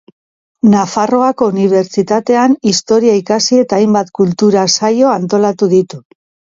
Nafarroako Unibertsitatean Historia ikasi eta hainbat kultura saio antolatu ditu.